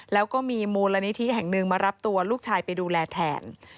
แล้วก็มีมูลนิธิแห่งหนึ่งมารับตัวลูกชายไปดูแลแทน